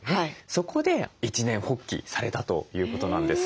そこで一念発起されたということなんです。